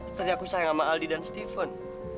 sepertinya aku sayang sama aldi dan steven